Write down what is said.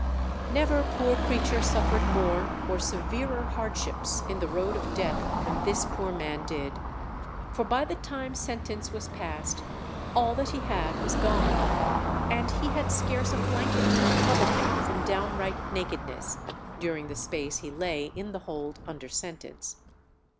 Never poor creature suffered more or severer hardships in the road of death than this poor man did, for by the time sentence was passed, all that he had was gone, and he had scarce a blanket to cover him from downright nakedness, during the space he lay in the hold under sentence.